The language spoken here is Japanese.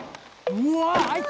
うわ！